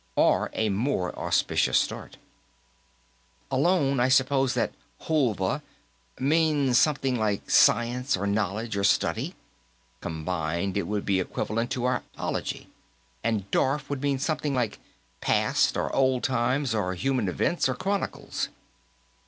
Or a more auspicious start. "Alone, I suppose that hulva means something like science or knowledge, or study; combined, it would be equivalent to our 'ology. And darf would mean something like past, or old times, or human events, or chronicles."